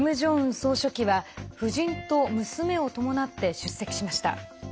総書記は夫人と娘を伴って出席しました。